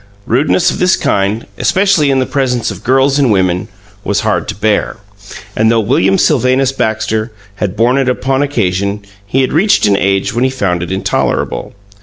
Rudeness of this kind, especially in the presence of girls and women, was hard to bear, and though William Sylvanus Baxter had borne it upon occasion, he had reached an age when he found it intolerable.